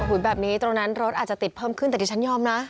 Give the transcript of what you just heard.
แบบนี้ตรงนั้นรถอาจจะติดเพิ่มขึ้นแต่ดิฉันยอมนะ